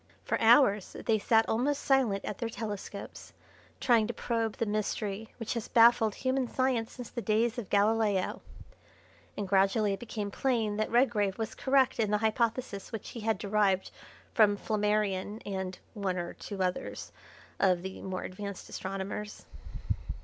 For hours they sat almost silent at their telescopes, trying to probe the mystery which has baffled human science since the days of Galileo, and gradually it became plain that Redgrave was correct in the hypothesis which he had derived from Flammarion and one or two others of the more advanced astronomers.